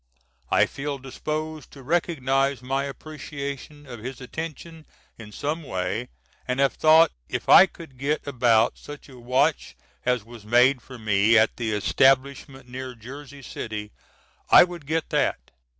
I feel disposed to recognize my appreciation of his attention in some way, and have thought if I could get about such a watch as was made for me at the establishment near Jersey City I would get that.